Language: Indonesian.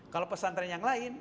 kalau pesantren yang lain